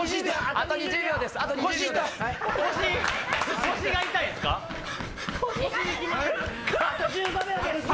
あと１５秒です！